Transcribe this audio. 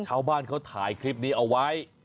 ชาวบ้านเขาถ่ายคลิปนี้เอาไว้